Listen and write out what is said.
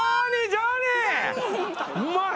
うまい。